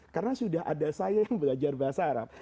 karena sudah ada saya yang belajar bahasa arab